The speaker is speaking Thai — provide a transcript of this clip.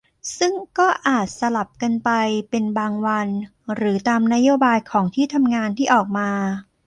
ซึ่งก็อาจสลับกันไปเป็นบางวัน หรือตามนโยบายของที่ทำงานที่ออกมา